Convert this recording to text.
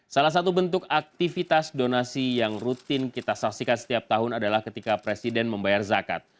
salah satu bentuk aktivitas donasi yang rutin kita saksikan setiap tahun adalah ketika presiden membayar zakat